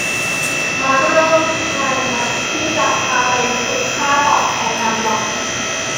มักได้เริ่มงานใหม่ที่จะพาไปสู่ค่าตอบแทนดังหวัง